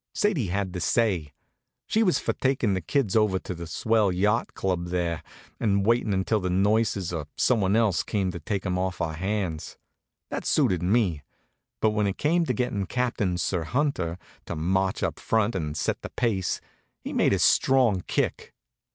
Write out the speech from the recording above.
Sadie had the say. She was for takin' the kids over to the swell yacht club there, and waitin' until the nurses or some one else came to take 'em off our hands. That suited me; but when it came to gettin' Captain Sir Hunter to march up front and set the pace, he made a strong kick.